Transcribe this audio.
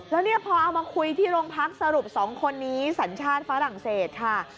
แล้วเนี่ยพอเอามาคุยที่โรงพักสรุป๒คนนี้สัญชาติฝรั่งเศสค่ะ